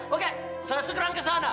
oke saya segera kesana